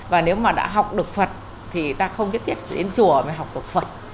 và nếu mà đã học được phật thì ta không nhất thiết đến chùa mới học được phật